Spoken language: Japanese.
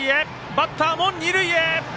バッターも二塁へ。